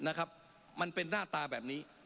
นะครับมันเป็นหน้าตาแบบนี้